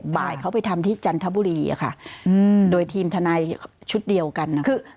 กลงบ่ายเขาไปทำที่จันทบุรีเลยค่ะโดยทีมธนาชุดเดียวกัน